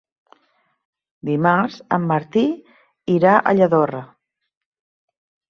Dimarts en Martí irà a Lladorre.